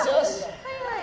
はいはい。